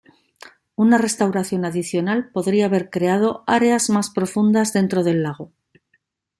Una restauración adicional podría haber creado áreas más profundas dentro del lago.